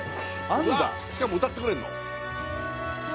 しかも歌ってくれるの？